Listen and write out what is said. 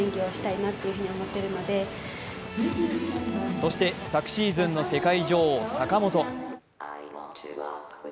そして昨シーズンの世界女王・坂本。